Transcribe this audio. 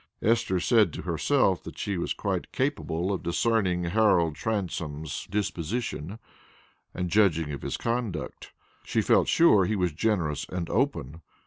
Esther said to herself that she was quite capable of discerning Harold Transome's disposition, and judging of his conduct. She felt sure he was generous and open.